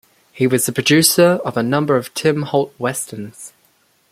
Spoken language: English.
He was the producer of a number of Tim Holt westerns.